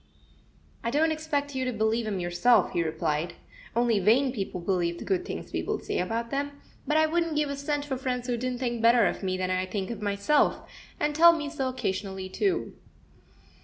"I don't expect you to believe 'em yourself," he replied; "only vain people believe the good things people say about them; but I wouldn't give a cent for friends who didn't think better of me than I think of myself, and tell me so occasionally, too."